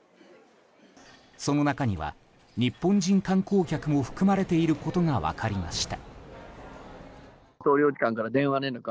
その中には日本人観光客も含まれていることが分かりました。